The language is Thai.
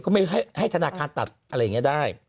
ไม่ให้ธนาคารตัดอะไรอย่างนี้ได้